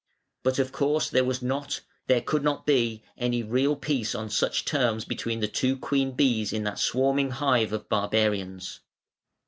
But of course there was not, there could not be, any real peace on such terms between the two queen bees in that swarming hive of barbarians.